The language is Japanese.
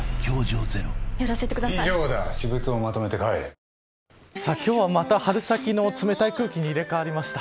新「グリーンズフリー」今日はまた春先の冷たい空気に入れ替わりました。